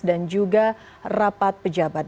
dan juga rapat pejabat